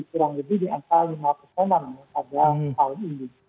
kurang lebih di angka lima persenan pada tahun ini